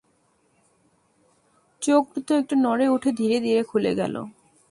চোখদুটো একটু নড়ে উঠে ধীরে ধীরে খুলে গেল।